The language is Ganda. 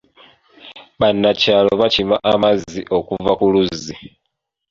Bannakyalo bakima amazzi okuva ku luzzi.